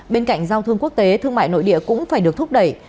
bên cạnh giao thương quốc tế thương mại nội địa cũng phải được thúc đẩy